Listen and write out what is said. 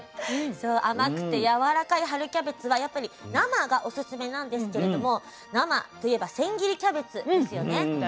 そう甘くてやわらかい春キャベツはやっぱり生がオススメなんですけれども生といえば千切りキャベツですよね。